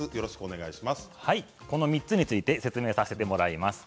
この３つについて説明させてもらいます。